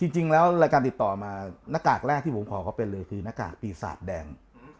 รายการติดต่อมาหน้ากากแรกที่ผมขอเขาเป็นเลยคือหน้ากากปีศาจแดง